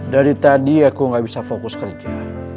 dari tadi aku gak bisa fokus kerja